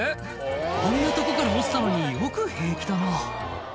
あんなとこから落ちたのによく平気だな